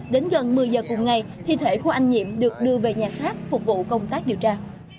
đến gần một mươi giờ cùng ngày thi thể của anh nhiệm được đưa về nhà sát phục vụ công tác điều tra